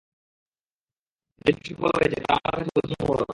যে সমস্যার কথা বলা হয়েছে, তা আমার কাছে বোধগম্য হল না।